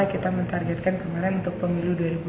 kita mentargetkan kemarin untuk pemilu